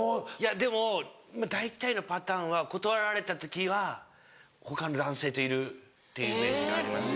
でも大体のパターンは断られた時は他の男性といるっていうイメージがありますね。